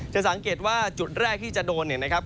จะสังเกตว่าจุดแรกที่จะโดนเนี่ยนะครับ